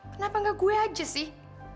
kenapa gak gue aja sih